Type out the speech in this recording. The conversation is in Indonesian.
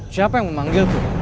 siapa yang memanggilku